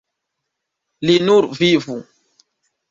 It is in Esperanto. Li nur vivu.